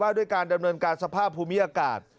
ด้วยการดำเนินการสภาพภูมิอากาศ